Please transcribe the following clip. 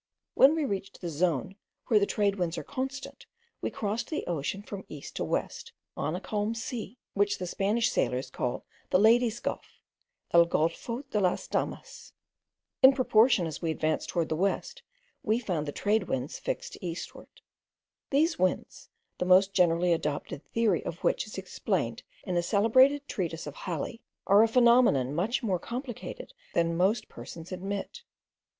When we reached the zone where the trade winds are constant, we crossed the ocean from east to west, on a calm sea, which the Spanish sailors call the Ladies' Gulf, el Golfo de las Damas. In proportion as we advanced towards the west, we found the trade winds fix to eastward. These winds, the most generally adopted theory of which is explained in a celebrated treatise of Halley,* are a phenomenon much more complicated than most persons admit.